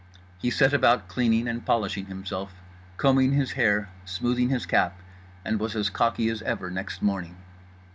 He set about cleaning and polishing himself, combing his hair, smoothing his cap—and was as cocky as ever next morning.